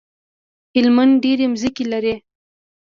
هلمند ډيری مځکی لری